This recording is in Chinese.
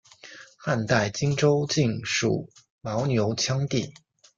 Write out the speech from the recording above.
汉代今州境属牦牛羌地。